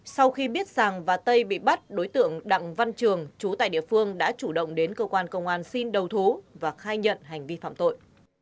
sau khi biết sàng và tây bị bắt đối tượng đặng văn trường chú tại địa phương đã chủ động đến cơ quan công an xin đầu thú và khai nhận hành vi phạm tội